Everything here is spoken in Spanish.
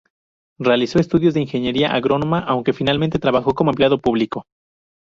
Realizó estudios de ingeniería agrónoma, aunque finalmente trabajó como empleado público.